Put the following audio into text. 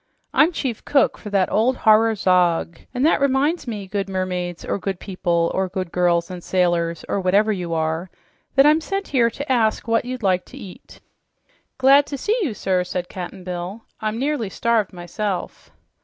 "I'm chief cook for that old horror Zog. And that reminds me, good mermaids, or good people, or good girls and sailors, or whatever you are, that I'm sent here to ask what you'd like to eat." "Good to see you, sir," said Cap'n Bill. "I'm nearly starved, myself."